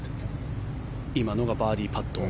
今のがバーディーパット。